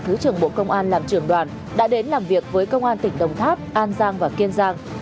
thứ trưởng bộ công an làm trưởng đoàn đã đến làm việc với công an tỉnh đồng tháp an giang và kiên giang